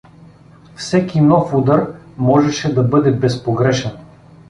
Всеки нов удар можеше да бъде безпогрешен.